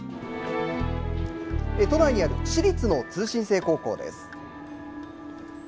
都内にある市立の通信制高校です。